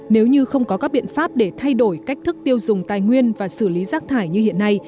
nếu như không có các biện pháp để thay đổi cách thức tiêu dùng tài nguyên và xử lý rác thải như hiện nay